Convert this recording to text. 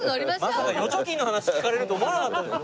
まさか預貯金の話聞かれると思わなかったですよ。